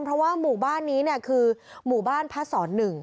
เพราะว่าหมู่บ้านนี้คือหมู่บ้านพระสอน๑